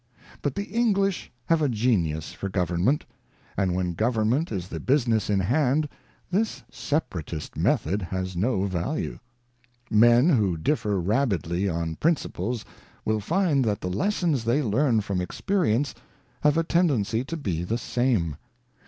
But the English have a genius for government, and when govern ment is the business in hand, this separatist method has no value. Men who differ rabidly on principles will find that the lessons they learn from experience have a tendency to be the same.